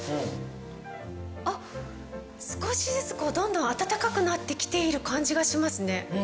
あっ少しずつどんどん暖かくなって来ている感じがしますね。